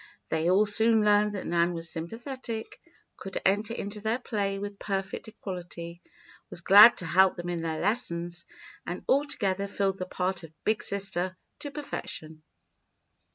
They all soon learned that Nan was sympathetic, could enter into their play with perfect equality, was glad to help them in their lessons, and altogether filled the part of "Big Sister" to perfection.